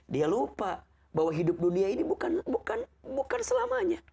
dia lupa bahwa hidup dunia ini bukan selamanya